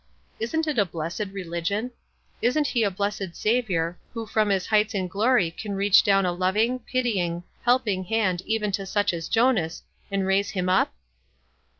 Isn't it a blessed religion? Isn't he a blessed Saviour, who from his heights in glory can reach down a loving, pitying, help ing hand even to such as Jonas, and raise him up?